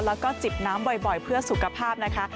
แล้วก็จิบน้ำบ่อยเพื่อสุขภาพนะคะ